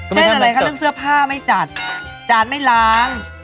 อะไรคะเรื่องเสื้อผ้าไม่จัดจานไม่ล้าง